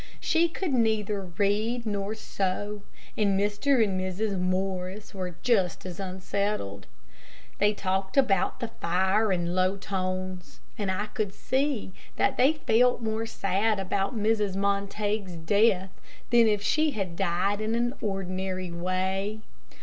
She could neither read nor sew, and Mr. and Mrs. Morris were just as unsettled. They talked about the fire in low tones, and I could see that they felt more sad about Mrs. Montague's death than if she had died in an ordinary way.